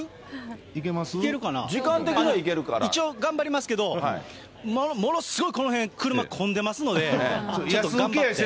一応頑張りますけど、ものすごいこの辺、車、混んでますので、ちょっと頑張って。